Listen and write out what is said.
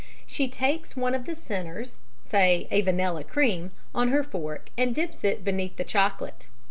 She takes one of the "centres," say a vanilla creme, on her fork and dips it beneath the chocolate.